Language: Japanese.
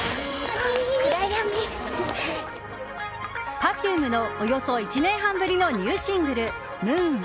Ｐｅｒｆｕｍｅのおよそ１年半ぶりのニューシングル「Ｍｏｏｎ」。